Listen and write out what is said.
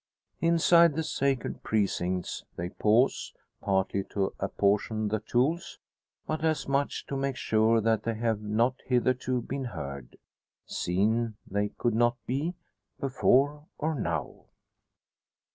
Inside the sacred precincts they pause; partly to apportion the tools, but as much to make sure that they have not hitherto been heard. Seen, they could not be, before or now.